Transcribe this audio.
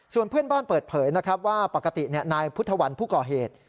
ส่วนเพื่อนบ้านเปิดเผยนะครับว่าปกตินายพุทธวันผู้ก่อเหตุ